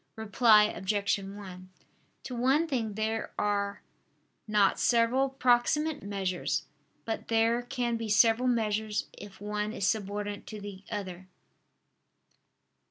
Reply Obj. 1: To one thing there are not several proximate measures; but there can be several measures if one is subordinate to the other.